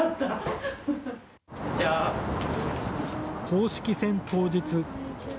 公式戦当日。